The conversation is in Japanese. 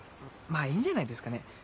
まぁいいんじゃないですかね。